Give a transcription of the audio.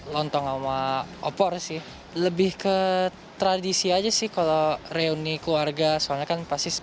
lontong sama opor sih lebih ke tradisi aja sih kalau reuni keluarga soalnya kan pasti